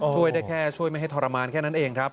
ช่วยได้แค่ช่วยไม่ให้ทรมานแค่นั้นเองครับ